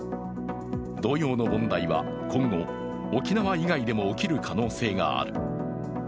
同様の問題は今後、沖縄以外でも起きる可能性がある。